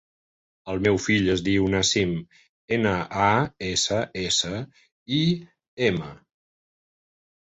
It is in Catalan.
El meu fill es diu Nassim: ena, a, essa, essa, i, ema.